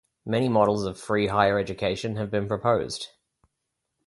Many models of free higher education have been proposed.